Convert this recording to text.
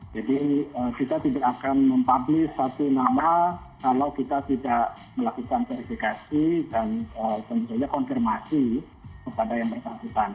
jadi kita tidak akan mempublish satu nama kalau kita tidak melakukan verifikasi dan tentu saja konfirmasi kepada yang berkantutan